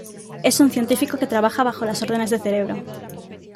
Es un científico que trabaja bajo las órdenes de Cerebro.